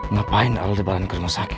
ngapain aldebaran ke rumah sakit